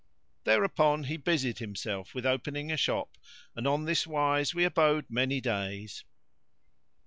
Thereupon he busied himself with opening a shop and on this wise we abode many days.